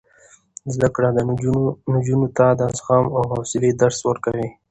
زده کړه نجونو ته د زغم او حوصلې درس ورکوي.